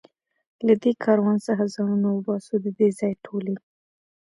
له دې کاروان څخه ځانونه وباسو، د دې ځای ټولې.